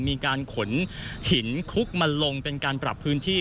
มีการขนหินคุกมาลงเป็นการปรับพื้นที่